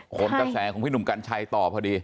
ขนกระแสของพี่หนุ่มกัญชัยต่อพอดี